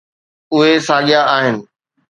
اهي ساڳيا آهن.